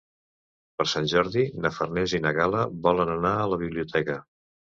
Per Sant Jordi na Farners i na Gal·la volen anar a la biblioteca.